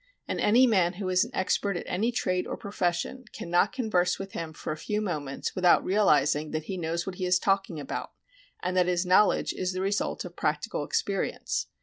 And any man who is an expert at any trade or profession cannot converse with him for a few moments without realizing that he knows what he is talking about and that his knowledge is the result of practical experience.